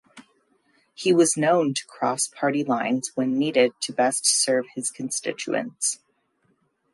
He was known to cross Party lines when needed to best serve his constituents.